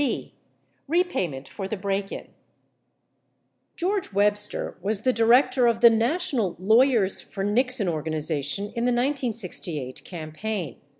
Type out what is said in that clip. h. Repayment for the Break in George Webster Avas the director of the national 1 aAvvers for Nixon organization in the 1968 campaign.